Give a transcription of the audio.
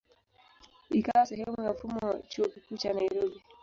Ikawa sehemu ya mfumo wa Chuo Kikuu cha Nairobi.